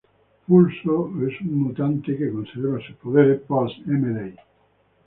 Pulso es un mutante que conservan sus poderes post-M-Day.